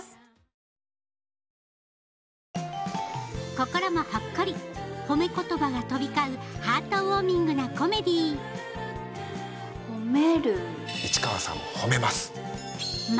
心もほっこりほめ言葉が飛び交うハートウォーミングなコメディーほめる。